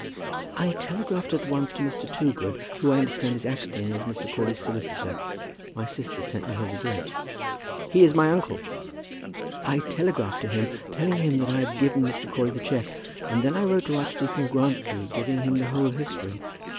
"I telegraphed at once to Mr. Toogood, who I understand is acting as Mr. Crawley's solicitor. My sister sent me his address." "He is my uncle." "I telegraphed to him, telling him that I had given Mr. Crawley the cheque, and then I wrote to Archdeacon Grantly giving him the whole history.